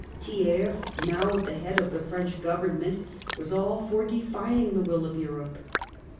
Thiers, now at the head of the French Government, was all for defying the will of Europe.